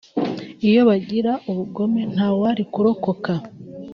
iyo bagira ubugome ntawari kurokoka